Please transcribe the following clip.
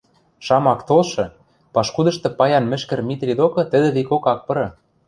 Шамак толшы, пашкудышты паян Мӹшкӹр Митри докы тӹдӹ викок ак пыры